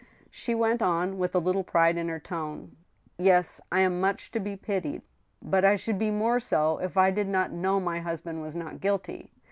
She went on, with a little pride in her tone :" Yes, I am much to be pitied. But I should be more so if I did not know my husband was not guilty.